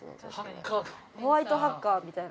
ホワイトハッカーみたいな。